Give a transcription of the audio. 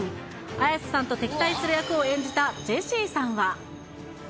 綾瀬さんと敵対する役を演じたジェシーさんは。